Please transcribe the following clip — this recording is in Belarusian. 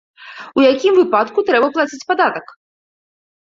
У якім выпадку трэба плаціць падатак?